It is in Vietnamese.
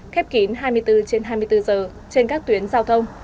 khép kín hai mươi bốn trên hai mươi bốn giờ trên các tuyến giao thông